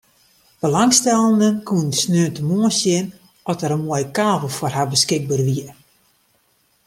Belangstellenden koene sneontemoarn sjen oft der in moaie kavel foar har beskikber wie.